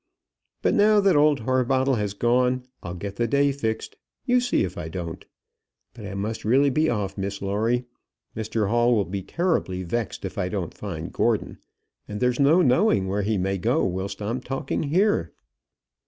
But now that old Harbottle has gone, I'll get the day fixed; you see if I don't. But I must really be off, Miss Lawrie. Mr Hall will be terribly vexed if I don't find Gordon, and there's no knowing where he may go whilst I'm talking here."